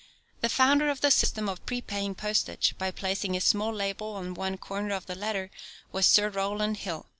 The founder of the system of prepaying postage by placing a small label on one corner of the letter was Sir Rowland Hill.